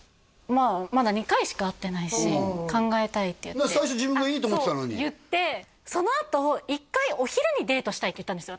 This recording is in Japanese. まあまだ２回しか会ってないし「考えたい」って言って最初自分がいいと思ってたのにあっそう言ってそのあと「１回お昼にデートしたい」って言ったんですよ